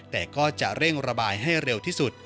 แต่ก็จะเร่งระบายให้เร็วที่สุด